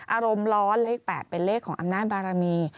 อารมณ์ร้อนเลข๘เป็นเลขของอำนาจบารมี